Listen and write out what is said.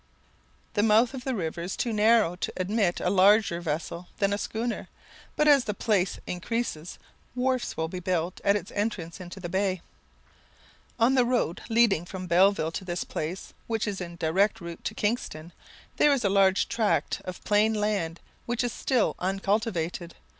The mouth of the river is too narrow to admit a larger vessel than a schooner, but as the place increases, wharfs will be built at its entrance into the bay. On the road leading from Belleville to this place, which is in the direct route to Kingston, there is a large tract of plain land which is still uncultivated.